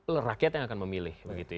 loh rakyat yang akan memilih